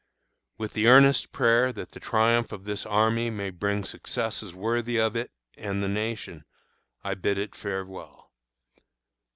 With the earnest prayer that the triumph of this army may bring successes worthy of it and the nation, I bid it farewell.